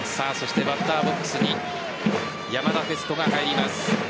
バッターボックスに山田哲人が入ります。